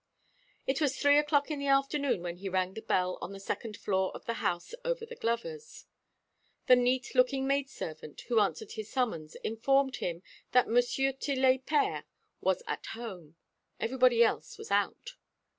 It was three o'clock in the afternoon when he rang the bell on the second floor of the house over the glover's. The neat looking maid servant who answered his summons informed him that M. Tillet père was at home. Everybody else was out.